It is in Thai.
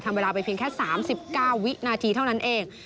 เวลาไปเพียงแค่๓๙วินาทีเท่านั้นเอง